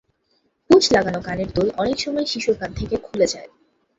Push লাগানো কানের দুল অনেক সময় শিশুর কান থেকে খুলে যায়।